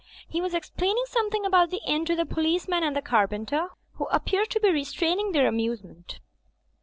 He was explaining something about the inn to the policeman and the carpenter, who appeared to be restraining their amusement.